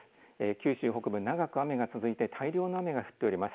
九州北部、長く雨が続いて大量の雨が降っております。